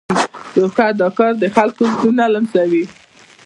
یو ښه اداکار د خلکو زړونه لمسوي.